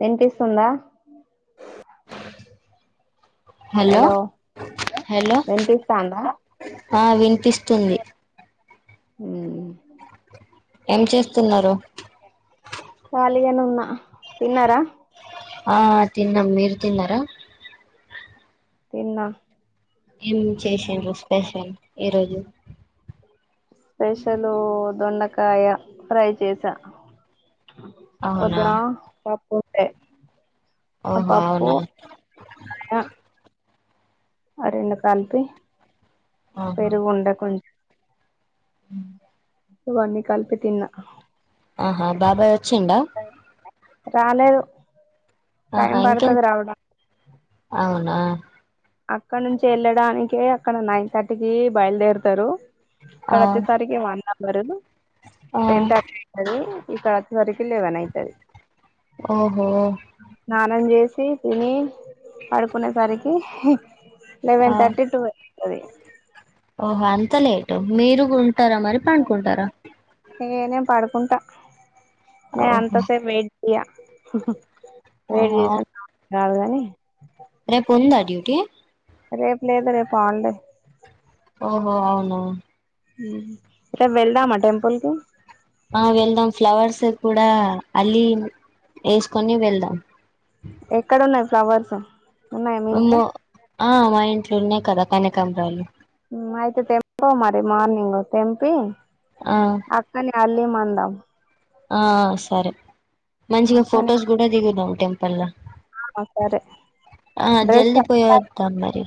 వినిపిస్తుందా ఆ hello hello విన్పిస్తుందా ఆ వినిపిస్తుంది అ ఏం చేస్తున్నారు కాళిగానే ఉన్న తిన్నార ఆ తిన్నం మీరు తిన్నార తిన్నా ఏం చేసిండ్రు స్పెషల్ ఈ రోజు స్పెషలు దొండకాయ ఫ్రై చేసా అవునా పొద్దున పప్పు ప్రే అబ ఓహో అప్పు అవునా ఆ రెండు కలిపి ఆహా పెరుగుండ కొంచెం పప్పు వండి కలిపి తిన్నా ఆహా బాబయ్ [inaudible] చ్చిండా రాలేదు టైమ్ ఇంకెం పడుతుది రావడా అవునా అక్కడ నుంచి వెళ్ళడానికి అక్కడ నైన్ థర్టీకి బయలుదేరుతారు ఇక్కడ ఆ వచ్చేసరికి వన్ అ వరుదు ఆ [unintelligible] అది ఇక్కడ సరికి లేవన్ ఐతది ఓహో స్నానం చేసి తిని పడుకునేసరికి హ ఆ లెవెన్ థర్టీటూ అది ఓహో అంత లేట్టు మీరుగుం టారా మరి పన్కుంటారా ఏ నేను పడుకుంటా నే అంత ఓహో సేప్ వెయిట్ యా ఆహా కాదుగాని రేపు ఉందా డ్యూటీ రేపు లేదు రేపు హాలిడే ఓహో అవునా ఊ రేపు వెళ్దామా టెంపుల్కి ఆ వెళ్దాం ఫ్లవర్స్ కూడా అల్లి ఏసుకొని వెళ్దాం ఎక్కడున్నాయి ఫ్లవర్సు ఉన్నాయా మీ ఇంట్లో మో ఆ మా ఇంట్లో ఉన్నాయి కదా కనకాంబ్రాలు అయితే తెంపు మరి మార్నింగు తెంపి ఆ అల్లీ మందం ఆ సరే మంచిగా అక్కని ఫొటోస్ కూడా దిగుదాం టెం తెల్ల సరే ఆ డ్రెస్ జల్దీ పోయి వద్దాం మరి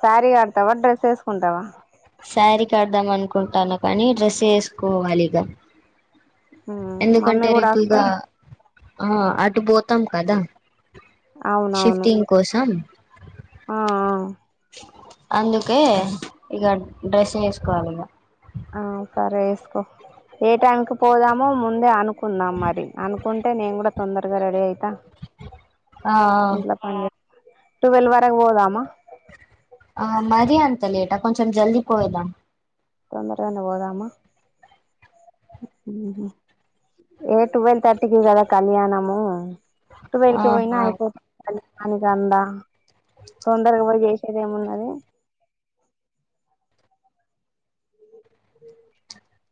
శారీ కడతావా డ్రెస్ ఏసుకుంటావా శారీ కడదాం అనుకుంటానా కానీ డ్రెస్సే ఏసుకోవాలి ఇగ ఊ మమ్మీ ఎందుకంటే కూడా రేపు ఇగ వస్తే ఆ అటు పోతాం కదా అవునవును షిఫ్టింగ్ కోసం ఆ ఆ అందుకే ఇగ డ్రెస్ వేసుకోవాలిగా ఆ సరే ఏసుకో ఏ టైంకి పోదామో ముందే అను కుందాం మరి అనుకుంటే నేను కూడా తొందరగా రెడీ అయితా ఆ ఇంట్లో పని చే టువల్ వరకు పోదమా ఆ మరీ అంత లేటా కొంచెం జల్దీ పోయొదాం తొందరగానే పోదామా ఉహు ఏ టువల్ తర్టీకి కదా కళ్యాణము టువల్ కి పోయినా ఆహా అయిపో [inaudible] ఆని కందా తొందరగా పొయ్యి చేసేది ఏమున్నది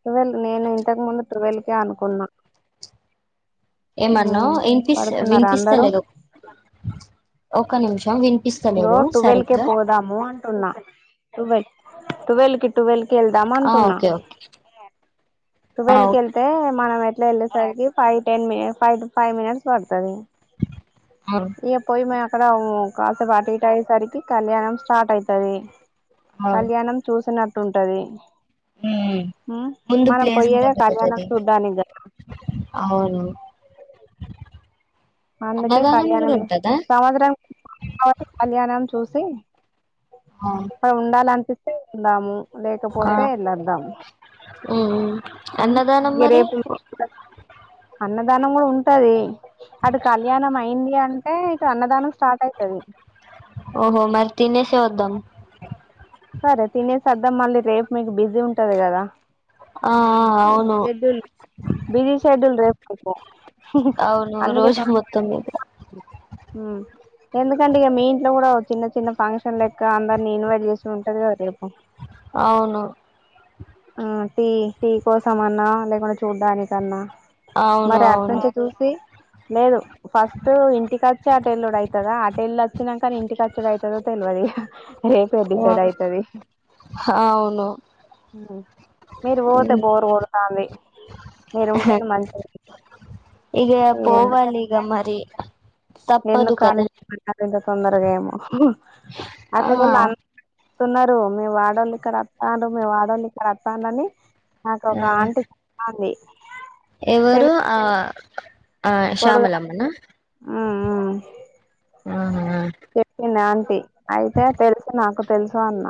టువెల్ నేను ఇంతకు ముందు టువెల్ కే అనుకున్నా ఏమన్నావ్ ఇన్పిస్త పడుకున్నారా విన్పిస్త అందరూ లేదు ఒక నిమిషం విన్ లో టువల్ కే పోదాము అంటున్నా టువల్ టువెల్ కి టువెల్ కి ఎళ్దాం ఆ అంటున్నా ఓకే ఓకే ఆ టువల్ కి ఓకే ఎళ్తే మనమై ట్లా వెళ్ళేసరికి five ten minutes five five minutes పడుతాది ఇగ పొయ్యి మ్యా క్కదవు కా తప అటు ఇటు అయ్యేసరికి కళ్యాణం స్టార్ట్ అయితది ఆ కళ్యాణం చూసిన టుంటది హుమ్ ముందు ప్లేస్ పోయేదే [inaudible] కళ్యాణం తది చూడ్డానికి కదా అవును అందుకే అన్నదానం కూడా కళ్యాణం ఉంటదా సముద్రం [inaudible] కళ్యాణం చూసి ఆ [inaudible] ఉండాలన్పిస్ ఉందాము ఆ లేకపోతే వెళ్ళొద్దాం ఊ ఊ ఉమ్ అన్నదానం ఇగ మరి రేపు అన్నదానం కూడ ఉంటది. అటు కళ్యాణం అయింది. అంటే ఇక అన్నదానం స్టార్ట్ అయితది ఓహో మరీ తినేస్ సే వద్దము సద్దాం మళ్ళీ రేపు మీకు బిజీ ఉంటది కదా. ఆ ఆ అవును షేడ్యూల్ బిజీ షెడ్యూల్ రేప్ [unintelligible] పో అవును రోజు మొత్తం మీద హ్మ్ ఎందుకంటే ఇక మీ ఇంట్లో కూడ చిన్న చిన్న ఫంక్షన్ టన్ లెక్క అందరు నీ ఇన్వైట్ చేసి ఉంటది కదా రేపు అవును ఆ టీ టీ కోసం అన్నా లేకుండా చూడ్డానికన్నా అవును మరి అటు అవును నుంచే చూసి లేదు ఫస్ట్ ఇంటిక స్టార్ట్ ఎల్లుడు ఐతదా అటేలోచినాకనే ఇంటికి వచ్చుడు ఐతాడో తెల్వదు ఇగ రేపే డిసైడ్ అయితది ఆ అవును మీరు పోతే బోర్ కొడుతాంది మీరు ఉంటేనే మంచి ఏ పోవాలిగ మరి తప్పదు ఎందుకు కదా ఖాళీ [inaudible] ఇంత తొందరగా ఏమో ఆ అట్గొల్ల అన్ వస్తున్నారు మీ వాడోళ్ళు ఇక్కడ వత్తాన్రు మీము ఆడోళ్ళు ఇక్కడ వతానని నాకు ఒక ఆంటీ చెప్తా ఉంది ఎవరు ఆ ఆ శ్యామలమ్మనా హ్మ్ హ్మ్ హ్మ్ పి అయితే తెలుసు నాకు తెలుసు అన్న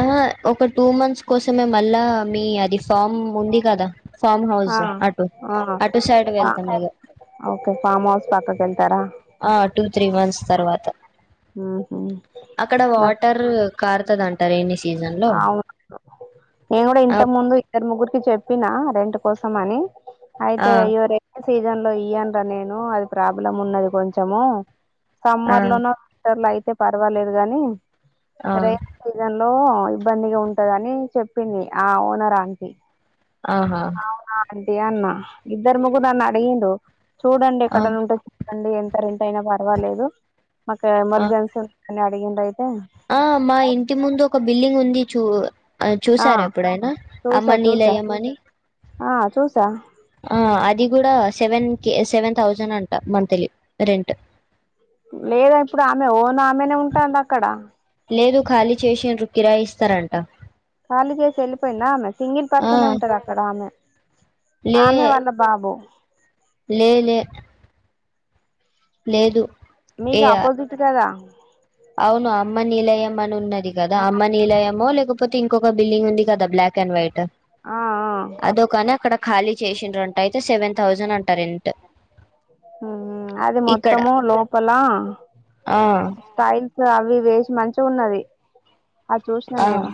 ఆ ఒక టూ మంత్స్ కోసమే మళ్ళా మీ అది ఫామ్ ఉంది కదా ఫామ్ ఆ హౌస్ అటు ఆ అటు సైడ్ ఆ వెళ్తాం మీగ ఓకే ఫామ్ హౌస్ పక్కకెళ్తారా ఆ టూ త్రీ మంత్స్ తర్వాత ఉహు అక్కడ నాకు వాటర్ కార్ తదంట రేనీ స్ సీజన్ లో ఓహ నేను కూడా ఆ ఇంత ముందు ఇద్దరు ముగ్గురికి చెప్ చెప్పినా రెంట్ కోసం అని ఆ ఆయితే ఇవరే సీజన్ లో ఇయ్యనురా నేను అది ప్రాబ్లం ఉన్నది కొంచము ఆ సమ్మర్ లనో వింటర్ అయి అయితే పర్వాలేదు గాని ఆ రరే సీజన్ లో ఇబ్బందిగా ఉంటదని చెప్పింది ఆ ఓనర్ అంటీ ఆహా అంటి అన్నా ఇద్దర్ ముగ్గునన్న అడిగిండు చూడండి ఆ ఎక్కడ ఉంటె అండి ఎంత రెం టైన పర్వాలేదు మాకు ఆ ఎమర్జెన్సీ ఉందని అ అడిగిండు అయితే ఆ మా ఇంటి ముందు ఒక బిల్డింగ్ ఉంది చూ అది ఆ చూసార ఎప్పుడైనా చూసా అమ్మ చూసా నిలయం ఆ అని ఆ చూసా అది కూడా సెవెన్ కే సెవెన్ థౌజండ్ అంట మంత్లీ రెంట్ లేదా ఇప్పుడు ఆమె ఓనా లేదు ఖాళీ చేసిడ్రు కిరాయి ఇస్ స్త రంటా కాళీ చేసి వెళ్ళిపోయింద ఆమె సింగిల్ ఆ పర్సనే ఉంటది అక్కడ ఆమె లే ఆమె వాళ్ళ బాబు లే లే లేదు ఏ మీకు ఆపోజిట్ కదా అవును అమ్మ నిలయం అని ఉన్నది కదా అమ్మ నిలయమో లేక లేకపోతేంకొక బిల్డింగ్ ఉంది కదా బ్లాక్ అండ్ వైట్ ఆ ఆ అదొ కానీ అక్కడ ఖాళీ చేసిన్రంట అయితే సెవెన్ థౌజండ్ అంట రెంట్ అది ఇక్కడ మొత్తమ లోపలా ఆ అవి వేసి మంచిగా ఉన్నది అ చూసిన ఆ నేను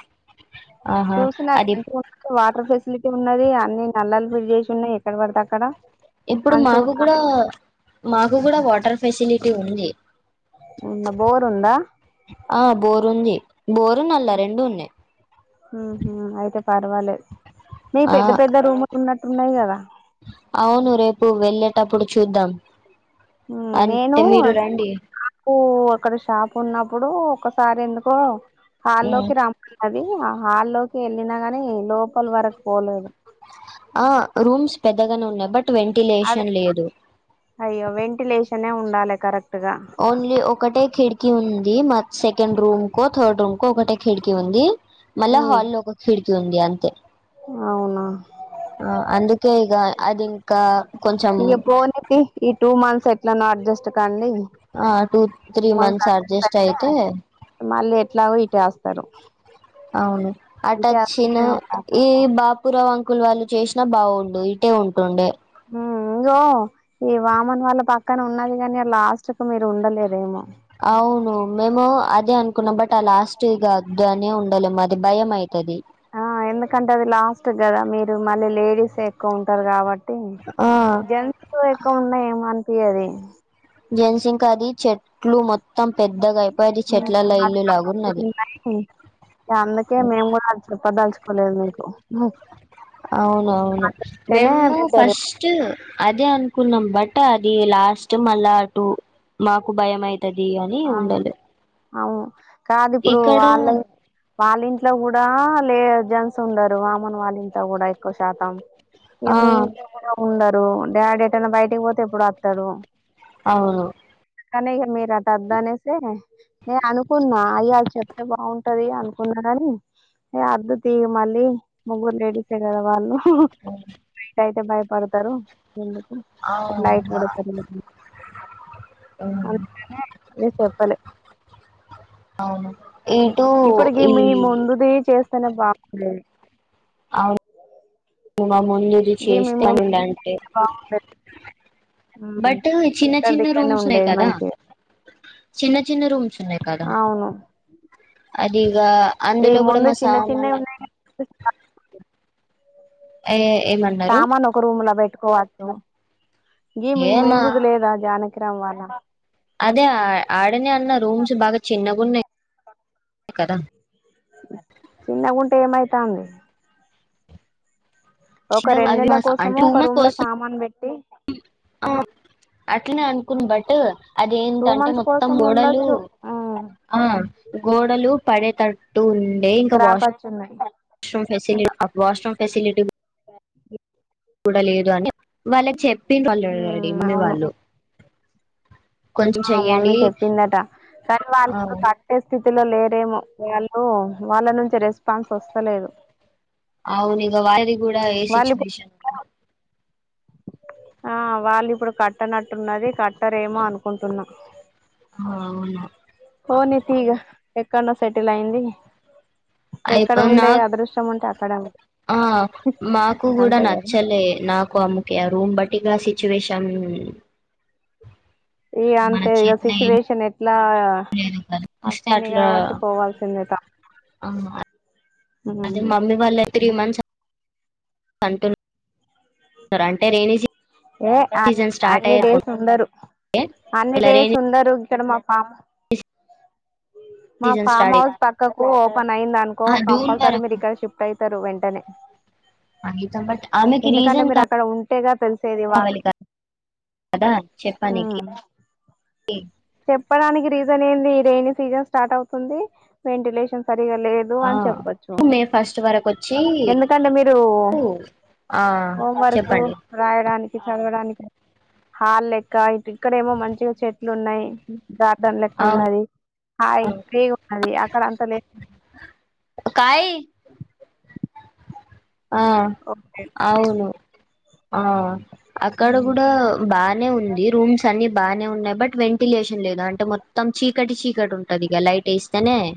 ఆహా చూసిన అది అక్కడ ఫెసిలిటీ ఉన్నది అన్ని నల్లలు ఫిట్ చేసి ఉన్నాయి ఎక్కడ పడతే అక్కడ ఇప్పుడు మంచిగా మాకు కూడా మాకు కూడా వాటర్ ఫెసిలిటీ ఉంది ఉ బోర్ ఉందా ఆ బోరుంది బోరు నల్ల రెండు ఉన్నాయి ఉహ అయితే పర్వాలేదు మీ ఆ పెద్ద పెద్ద రూమ్ లూనా ఇన్నాయి కదా అవును రేపు వెళ్ళేటప్పుడు చూద్దాం నేను అంటే మీరు రండి షాపు అక్కడ షాప్ ఉన్నప్పుడు ఒకసారి ఎందుకో ఉమ్. హాల్లోకి రామ్మన్న అది హాల్లోకి వెళ్ళినా గాని లోపల వరకు పోలేదు ఆ రూమ్స్ పెద్దగానే ఉన్నాయి బట్ అదే వెంటిలేషన్ లేదు అయ్యో వెంటిలేషనే ఉండాలి కరెక్ట్ గా ఓన్లీ ఒకటే కిడికిీ ఉంది మా సెకండ్ రూమ్ కో థర్డ్ రూమ్ కో ఒకటి కిటికీ ఉంది మళ్ల హల్ లో కిటికీ ఉంది అంతే అవునా ఆ అందుకే ఈగ ఇ పోనీటి ఈ టూ మంత్స్ ఎట్లా నా అడ్జస్ట్ కండి ఆ టూ త్రీ మంత్స్ అడ్జస్ట్ అయితే మళ్ళీ ఎట్లాగో ఇటే వస్తారు అవును ఇటే వస్తే అటచ్చిన నో ప్రాబ్లం ఈ బా కురవ అంకులు వాళ్ళు చేసినా బాగుండు ఇటే ఉంటుండే ఉమ్ ఇంగో ఈ వామన్ వాళ్ళ పక్కన ఉన్నది కాని లాస్ట్ కు మీరు ఉండలేరెమో అవును మేము అదే అనుకున్నాం బట్ లాస్ట్ ఇగా అద్దని ఉండాలేం మరి అది భయం అవుతుది ఆ ఎందుకంటే అది లాస్ట్ కదా మీరు మళ్ళీ లేడీస్ ఎక్కువ ఉంటారు కాబట్టి ఆ అ జంతులు ఎక్కువ ఉన్నాయేోంత ప అది జెన్సింగ్కాది చెట్లు మొత్త [inaudible] లాగున్నది అందుకే మేము కూడా అూపలుుం కొలే మీ అవును అవును మేము బెటరు ఫస్ట్ అదే అనుకున్నాం బట్ అది లాస్ట్ మళ్ళా అటు మాకు భయం అయితు అది అని ఆ! ఉండాలి [inaudible] కాదు ఇప్పుడు వాళ్ళ వాళ్ళింట్లో కూడా లే జన్స్ ఉండరు వామన్ వాళ్ళ ఇంట్ల కూడా ఎక్కువ శాతం ఇగ ఆ మీ ఇంట్లో కూడా ఉండరు ఓ డాడీ ఎటన్నా బయటికి పోతే ఎప్పుడో అత్తడు అవును కనీగా మీరా దు అనేసి నే అనుకున్నా అయ చెప్తే బాగుంటది అనుకున్నని న అర్దు తీగి మళ్ళీ ముగ్గురు లేడీసే కదా వాళ్ళు ఆయియితే బయ పడుతారు ఎందుకు ఆ లైట్ అవునా కూడా ఉమ్, [inaudible] ఏ చెప్పలే అవును ఇటు ఇప్పటికి ఈ మీ ముందుది చే బలే అవును ముందు ఇది గీ మీ ముందుది చేస్తానుంటే చేస్తే బాగుండేది ఉమ్ బట్ చిన్న ఇక్కడిది చిన్న ఇక్కడనే రూమ్స్ లే ఉండేది కదా మంచిగా చిన్న చిన్న రూమ్ షమ కాద అవును అది ఇకా ఈ అందులో కూడా ముందు మా చిన్న సామాన్ చిన్నవి ఉన్నాయి కదా, ఏ ఏమన్నారు సామాన్ ఒక రూమ్ లో బెట్ కోలాటం గీ మీ ఏమా ముందుది లేదా జానకి విక్రమ్ వాళ్ల అదే ఆడనే అన్నారు రూమ్స్ బాగా చిన్నవి. ఉన్నయ్ కదా చిన్నగుంటే ఏమైతాంది ఒక చిన్నవి రెండు అవి నెలల కోసము ఒక మా రూమ్ లో కోసం, సామాన్ పెట్టి ఆ అట్లనే అనుకున్న బట్ అయ్యో టూ అదేంటంటే మంత్స్ మొత్తం కోసం గోడలు ఉండొచ్చు ఆ గోడలు పడేటట్టు ఉండే ఇంకా క్రాక్ వాష్ వచ్చిందని వాష్రూమ్ ఫెసిలి, వాష్రూమ్ ఫెసిలిటీ కూడా లేదు అని వాళ్ళకి చెప్ప [unintelligible] ఆ మమ్మీ చెప్పిందట కానీ ఆ వాళ్ళు కట్టే స్థితిలో లేరేమో వాళ్ళు వాళ్ళ నుంచి రెస్పాన్స్ వస్తలేదు అవ్నిగా వారి కూడా ఏ వాళ్ళు ఇప్పుడు సిచ్యువేషన్నో ఆ వాళ్ళ ఇప్పుడు కట్టనట్టున్నది కట్టరేమో అనుకుంటున్నా ఆ అవును పోనీ తి ఇగ ఎక్కడ్నో సేటిల్ అయింది. ఎక్కడ అయిపోదా ఉండే నాగ్ అదృష్టం ఉంటే అక్కడ ఆ మాకు కూడా అంతే కదా నచ్చలే నాకు అమ్ము ఒకే ఆ రూమ్ బట్టిగా సిచ్యుషన్ ఇగ అంతే ఇగ ఏం స్విచ్చువేషన్ లా వస్తే అట్లా త ఆ అదే మమ్మీ వాళ్లు త్రీ మంత్స్ అంటూ నార్ అంటేే రేణిసీ ఏ అ అన్ని డేస్ ఉండరు అన్ని ఇలా డేస్ రైనీ ఉండరు. ఇక్కడ మాక్ ఫ మా సీజన్ ఫామ్ స్టార్ట్ హౌస్ పక్కకు ఓపెన్ అయింది అనుకో అ జూన్ కంపల్సరీ మీరు ఇక్కడ షిఫ్ట్ అయ్ ఇస్తారు వెంటనే అమితా బట్ ఆమెకి ఎందుకంటే రీజన్ మీరు కావ అక్కడ ఉంటేగా తెలిసేది వా కదా చెప్పనికి చెప్పడానికి రీజన్ ఏంది రేని సీజన్ స్టార్ట్ అవుతుంది వెంటిలేషన్ సరిగా సరిగలేదు ఆ అని చెప్పచ్చు. మే ఫస్ట్ వరకు వచ్చి ఎందుకంటే మీరు ఆ హోం వర్క్ చెప్పండి రాయడానికి చదవడానికి హల్ లెక్క ఇ ఇక్కడ ఏమో మంచిగా చెట్లు ఉన్నాయి. మ్మ్ గార్డెన్ లెక్క అవును ఉన్నది హాయ్ ఫ్రీగ్ ఉన్నది. అక్కడ అంత లే ఒకాయి ఆ అవును ఆ అక్కడ కూడా బానే ఉంది. రూమ్స్ అన్ని బానే ఉన్నాయి. బట్ వెంట్ వెంటిలేషన్ లేదు అంటే మొత్తం చీకటి చీకటి ఉంటది. ఇక లైట్ వేస్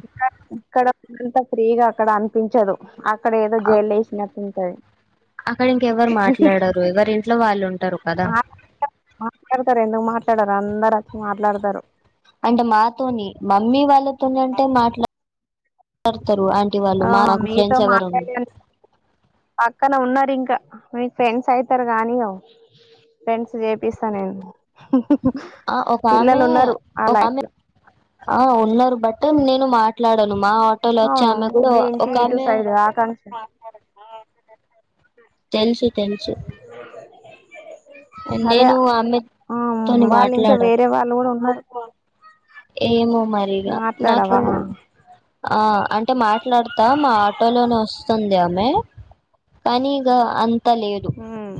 ఇక్క ఇక్కడంత ఫ్రీగా అక్కడ అనిపించదు అ అక్కడ ఏదో జైల్ల్ వేసినట్టు సరే అక్కడ ఇంకెవరు మాట్లాడరు ఎవరి ఇంట్లో వాళ్ళు ఉంటారు కదా డచ్చ మాట్లాడతారు అంటే మాతోని మమ్మీ వాళ్ళ తోని అంటే మాట్లాడు [unintelligible] ఆ మీతో మాట్లాడ పక్కన ఉన్నారు ఇం మీకు ఫ్రెండ్స్ అయితారుగానియో ఫ్రెండ్స్ చేపిస్తా నేను ఆ ఒక ఆమె పిల్లలు ఉన్నారు ఆ ఒక లైన్ ఆమె లో ఆ ఉన్నారు బట్ నేను మాట్ మాట్లాడను మా ఆటోల్ వచ్చే అవును ఆమె కూడా మీ ఇంటి ఒక ఇటు ఆమె సైడ్ ఆకాంక్ష తెలుసు తెలుసు అదే నేను ఆమెతోని ఆ వాళ్ళు ఇంకా మాట్లాడాను వేరే వాళ్ళు కూడా ఉన్నారు ఏమో మరిగా నాకు మాట్లాడవా ఆ అం అంటే మాట్లాడుత తా మా ఆటోలోనే వస్తుంది మే కానీ ఇగ అం అంత లేదు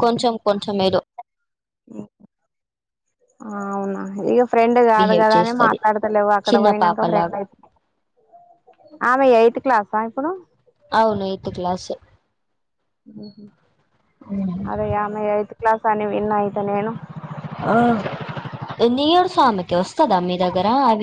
కొంచెం కొంచెం ఏదో హ్మ్ అవునా ఇయో ఫ్రెండ్ కాదు బిహేవ్ కదా అని చేస్తది మాట్లాడతలేవు అక్కడ చిన్న పోయినాక ఫ్రెండ్ పాపలాగా అయితు ఆమె ఎయిత్ క్లాసా ఇప్పుడు అవును ఎయిత్ క్లాస్ అరే ఆమె ఎయిత్ క్లాసనీ విన్నా అయితే నేను ఆ ఎన్ని ఇయర్స్ ఆమెకి వస్తదా మీ దగ్గర అవి